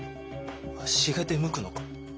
わしが出向くのか？